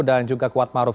dan juga kuat maruf